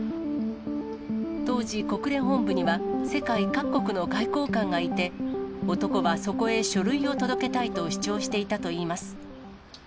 当時、国連本部には、世界各国の外交官がいて、男はそこへ書類を届けたいと主張していたといいます。